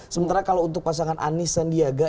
sementara kalau untuk pasangan anies sandiaga